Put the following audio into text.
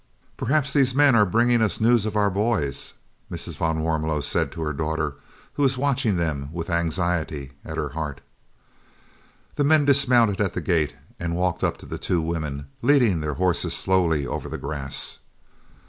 "Perhaps these men are bringing us news of our boys," Mrs. van Warmelo said to her daughter, who was watching them with anxiety at her heart. The men dismounted at the gate and walked up to the two women, leading their horses slowly over the grass.